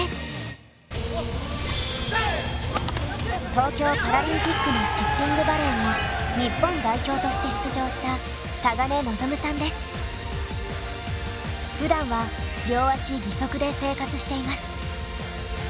東京パラリンピックのシッティングバレーの日本代表として出場したふだんは両足義足で生活しています。